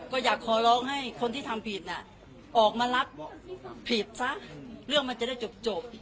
ก็อยากขอร้องให้คนที่ทำผิดน่ะออกมารับผิดซะเรื่องมันจะได้จบ